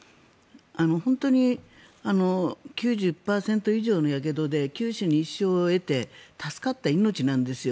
本当に９０％以上のやけどで九死に一生を得て助かった命なんですよ